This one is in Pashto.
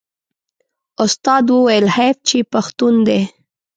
استاد وویل حیف چې پښتون دی.